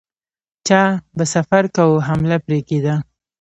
چا به سفر کاوه حمله پرې کېده.